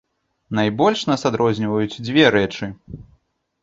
Найбольш нас адрозніваюць дзве рэчы.